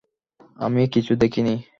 আমি কিছু দেখিনি।